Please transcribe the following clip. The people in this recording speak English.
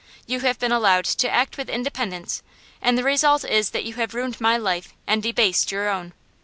You have been allowed to act with independence, and the result is that you have ruined my life and debased your own.